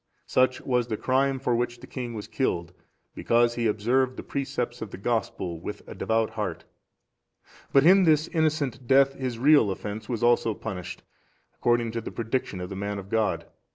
Such was the crime for which the king was killed, because he observed the precepts of the Gospel with a devout heart; but in this innocent death his real offence was also punished, according to the prediction of the man of God.